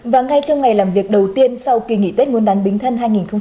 và ngay trong ngày làm việc đầu tiên sau kỳ nghỉ tết nguồn đán bính thân hai nghìn một mươi sáu